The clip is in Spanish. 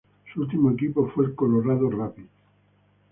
Su último equipo fue el Colorado Rapids.